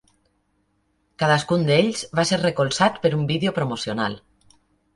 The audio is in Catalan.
Cadascun d'ells va ser recolzat per un vídeo promocional.